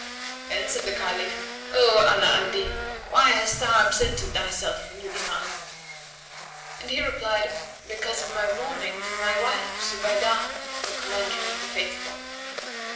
Then said the Caliph, "O Ala al Din, why hast thou absented thyself from the Divan?" And he replied, "Because of my mourning for my wife, Zubaydah, O Commander of the Faithful."